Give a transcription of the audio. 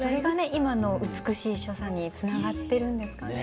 今の美しい所作につながってるんですかね。